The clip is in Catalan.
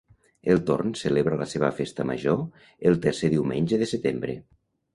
El Torn celebra la seva festa major el tercer diumenge de setembre.